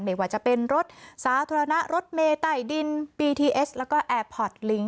ไม่ว่าจะเป็นรถสาธารณะรถเมไต่ดินบีทีเอสแล้วก็แอร์พอร์ตลิง